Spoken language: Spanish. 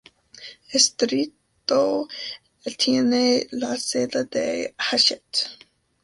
El distrito tiene la sede de Hachette.